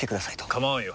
構わんよ。